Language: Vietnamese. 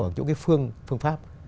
ở chỗ cái phương pháp